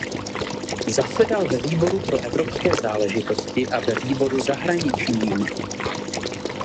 Zasedal ve výboru pro evropské záležitosti a ve výboru zahraničním.